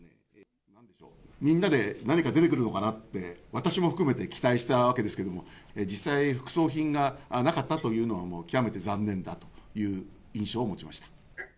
みんなで何か出てくるのかなって、私も含めて期待したわけですけれども、実際、副葬品がなかったというのは、もう極めて残念だという印象を持ちました。